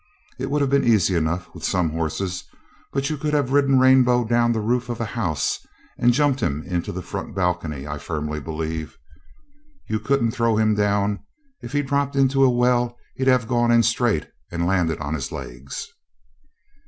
It would have been easy enough with some horses, but you could have ridden Rainbow down the roof of a house and jumped him into the front balcony, I firmly believe. You couldn't throw him down; if he'd dropped into a well he'd have gone in straight and landed on his legs.